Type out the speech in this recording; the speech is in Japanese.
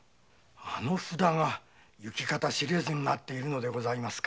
その札が行方知れずになっているのでございますか。